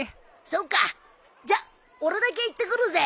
そうかじゃあ俺だけ行ってくるぜ。